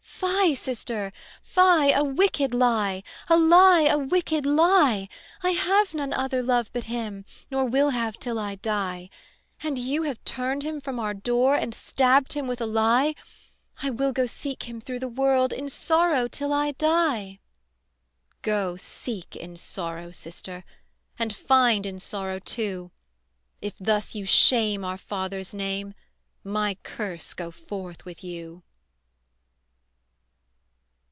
"Fie, sister, fie, a wicked lie, A lie, a wicked lie; I have none other love but him, Nor will have till I die. And you have turned him from our door, And stabbed him with a lie: I will go seek him thro' the world In sorrow till I die." "Go seek in sorrow, sister, And find in sorrow too: If thus you shame our father's name My curse go forth with you."